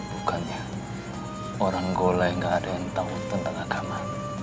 bukannya orang golai gak ada yang tahu tentang agama